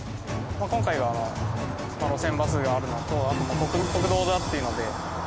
今回は路線バスがあるのとあと国道だっていうので。